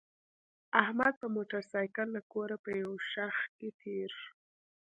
احمد په موټرسایکل له کوره په یو شخ کې تېر شو.